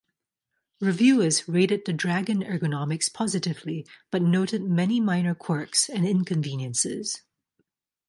Reviewers rated the Dragon ergonomics positively but noted many minor quirks and inconveniences.